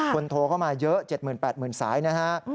โทรเข้ามาเยอะ๗๘๐๐๐สายนะฮะ